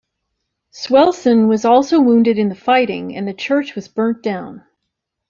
Swelsen was also wounded in the fighting and the church was burnt down.